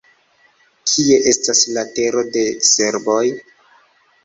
Kie estas la tero de serboj?